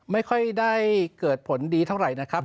ไม่ค่อยได้เกิดผลดีเท่าไหร่นะครับ